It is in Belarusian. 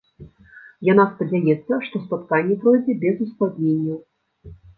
Яна спадзяецца, што спатканне пройдзе без ускладненняў.